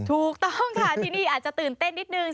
ถูกต้องค่ะที่นี่อาจจะตื่นเต้นนิดนึง